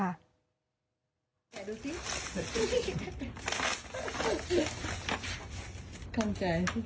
แข่งดูสิ